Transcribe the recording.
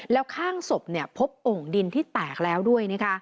แล้วข้างสบพบองค์ดินที่แตกแล้วด้วย